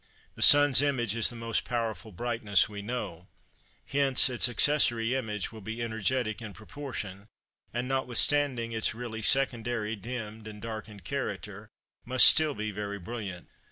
The sun's image is the most powerful brightness we know; hence its accessory image will be energetic in proportion, and notwithstanding its really secondary dimmed and darkened character, must be still very brilliant.